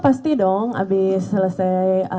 pasti dong abis selesai